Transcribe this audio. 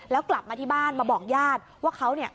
แล้วกลับมาที่บ้านมาบอกญาติว่าเขาเนี่ย